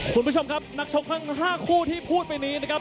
คุณผู้ชมครับนักชกทั้ง๕คู่ที่พูดไปนี้นะครับ